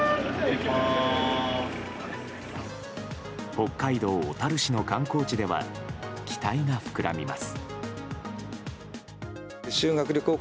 北海道小樽市の観光地では期待が膨らみます。